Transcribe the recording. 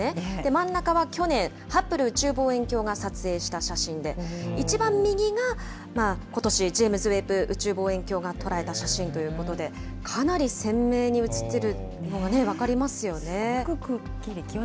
真ん中は去年、ハッブル宇宙望遠鏡が撮影した写真で、一番右がことしジェームズ・ウェッブ宇宙望遠鏡が捉えた写真ということで、かなり鮮明に写っているのが分かりますよね。